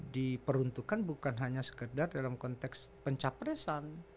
diperuntukkan bukan hanya sekedar dalam konteks pencapresan